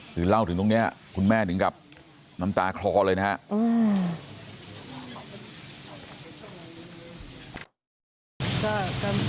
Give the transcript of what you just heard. คือเล่าถึงตรงนี้คุณแม่ถึงกับน้ำตาคลอเลยนะครับ